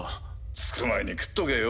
着く前に食っとけよ。